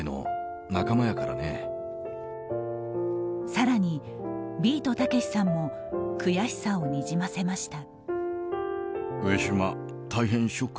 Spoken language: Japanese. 更に、ビートたけしさんも悔しさをにじませました。